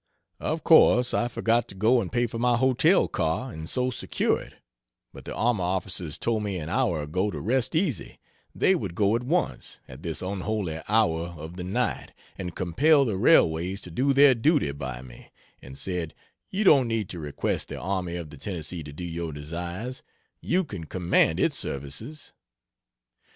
Of course I forgot to go and pay for my hotel car and so secure it, but the army officers told me an hour ago to rest easy, they would go at once, at this unholy hour of the night and compel the railways to do their duty by me, and said "You don't need to request the Army of the Tennessee to do your desires you can command its services."